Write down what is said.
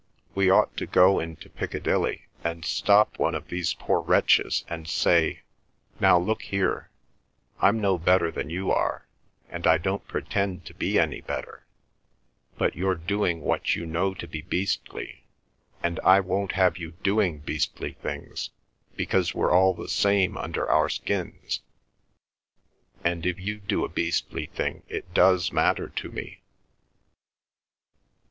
We ought to go into Piccadilly and stop one of these poor wretches and say: 'Now, look here, I'm no better than you are, and I don't pretend to be any better, but you're doing what you know to be beastly, and I won't have you doing beastly things, because we're all the same under our skins, and if you do a beastly thing it does matter to me.